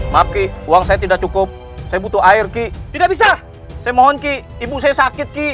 maka uang saya tidak cukup saya butuh air ki tidak bisa saya mohon ki ibu saya sakit ki